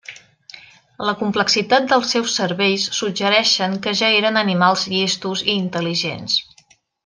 La complexitat dels seus cervells suggereixen que ja eren animals llestos i intel·ligents.